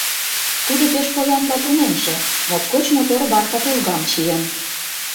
Тудо пеш поян да тунемше; моткоч мотор бархат ужгам чиен.